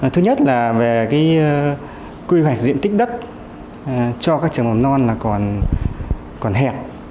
thứ nhất là về quy hoạch diện tích đất cho các trường mầm non là còn hẹp